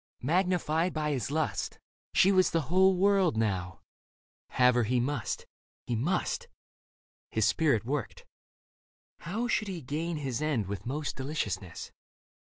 Magnified by his lust. She was the whole world now ; have her he must, he must ... His spirit worked ; how should he gain his end With most deliciousness